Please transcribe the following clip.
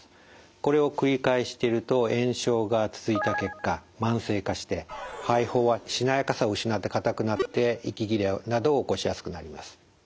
これを繰り返してると炎症が続いた結果慢性化して肺胞はしなやかさを失ってかたくなって息切れなどを起こしやすくなります。